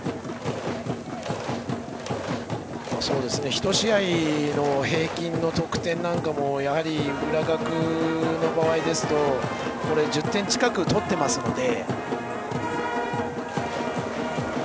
ひと試合の平均の得点なんかも浦学の場合ですと１０点近く取っていますので。